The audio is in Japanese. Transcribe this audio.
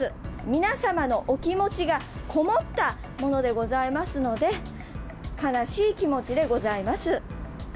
皆様のお気持ちがこもったものでございますので、悲しい気持ちでございます。